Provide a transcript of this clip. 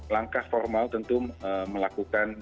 langkah formal tentu melakukan